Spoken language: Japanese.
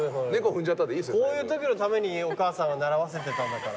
こういうときのためにお母さんは習わせてたんだから。